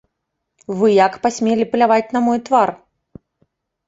Вы як пасмелі пляваць на мой твар?